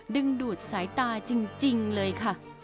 ดึงดูดสายตาจริงเลยค่ะ